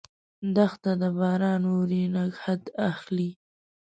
دښته ده ، باران اوري، نګهت اخلي